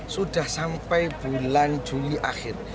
sudah sampai bulan juli akhir